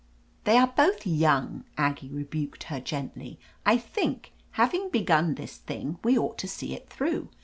"They are both young," Aggie rebuked her gently. "I think, having begun this thing, we ought to see it through.